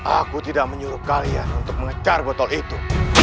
aku tidak menyuruh kalian untuk mengejar botol itu